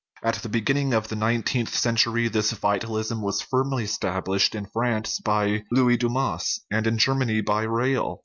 At the beginning of the nineteenth century this vitalism was firmly established in France by Louis Dumas, and in Germany by Reil.